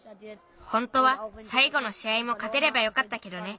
ほんとはさいごのしあいもかてればよかったけどね。